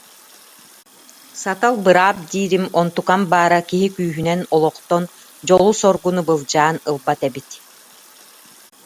Сатал быраап диирим, онтукам баара киһи күүһүнэн олохтон дьолу-соргуну былдьаан ылбат эбит.